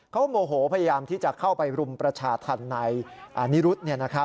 เขาโมโหพยายามที่จะเข้าไปรุมประชาธรรมในนิรุธ